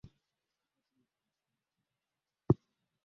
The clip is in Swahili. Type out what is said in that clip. wapenzi wote wawili wanapaswa kuwa makini na kondomu